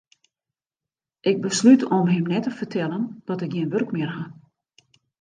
Ik beslút om him net te fertellen dat ik gjin wurk mear ha.